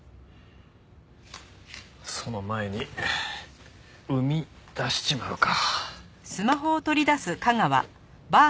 その前に膿出しちまうか。